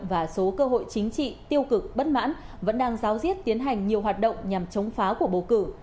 và số cơ hội chính trị tiêu cực bất mãn vẫn đang ráo riết tiến hành nhiều hoạt động nhằm chống phá của bầu cử